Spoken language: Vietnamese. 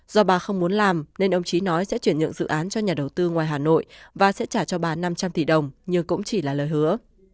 do bà không muốn làm nên ông trí nói sẽ chuyển nhượng dự án cho nhà đầu tư ngoài hà nội và sẽ trả cho bà năm trăm linh tỷ đồng nhưng cũng chỉ là lời hứa